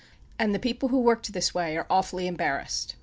And the people who worked this way are awfully embarrassed.